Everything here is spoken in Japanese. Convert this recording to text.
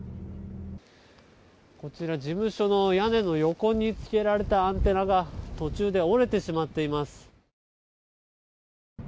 こちら、事務所の屋根の横につけられたアンテナが途中で折れてしまっています。